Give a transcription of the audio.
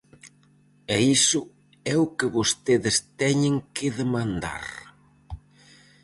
E iso é o que vostedes teñen que demandar.